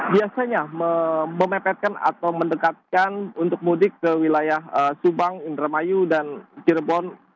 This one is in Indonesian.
biasanya memepetkan atau mendekatkan untuk mudik ke wilayah subang indramayu dan cirebon